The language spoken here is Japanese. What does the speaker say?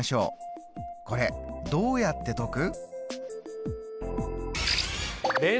これどうやって解く？